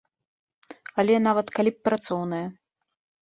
Але, нават, калі б працоўная.